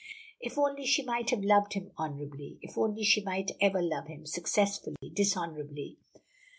If only she might have loved him honorably. If only she might ever love him successfully dishonorably!